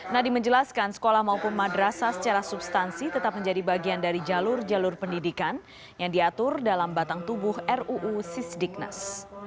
nadiem menjelaskan sekolah maupun madrasah secara substansi tetap menjadi bagian dari jalur jalur pendidikan yang diatur dalam batang tubuh ruu sisdiknas